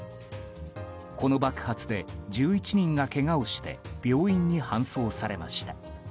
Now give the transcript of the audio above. この爆発で１１人がけがをして病院に搬送されました。